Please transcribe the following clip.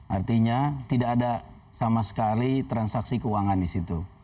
artinya tidak ada sama sekali transaksi keuangan disitu